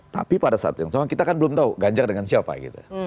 tapi pada saat yang sama kita kan belum tahu ganjar dengan siapa gitu